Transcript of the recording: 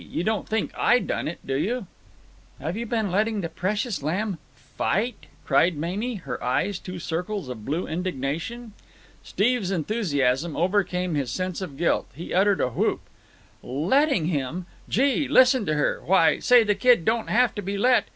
you don't think I done it, do you?" "Have you been letting the precious lamb fight?" cried Mamie, her eyes two circles of blue indignation. Steve's enthusiasm overcame his sense of guilt. He uttered a whoop. "Letting him! Gee! Listen to her! Why, say, that kid don't have to be let!